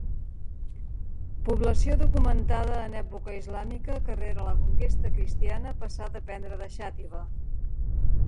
Població documentada en època islàmica que rere la conquesta cristiana passà a dependre de Xàtiva.